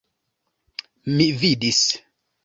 Mi vidis.